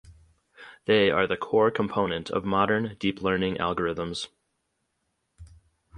They are the core component of modern deep learning algorithms.